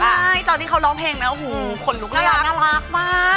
ใช่ตอนนี้เขาร้องเพลงนะขนลูกเลี่ยวน่ารักมาก